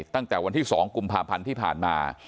ตั้งแต่วันที่๒กุมภาพันธ์ที่ผ่านมา